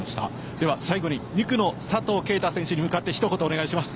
最後に、２区の佐藤圭汰選手にひと言お願いします。